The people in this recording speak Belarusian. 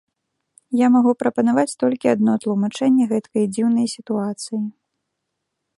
Я магу прапанаваць толькі адно тлумачэнне гэткай дзіўнай сітуацыі.